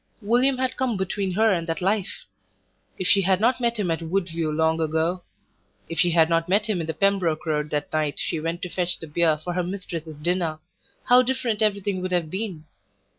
William had come between her and that life. If she had not met him at Woodview long ago; if she had not met him in the Pembroke Road that night she went to fetch the beer for her mistress's dinner, how different everything would have been!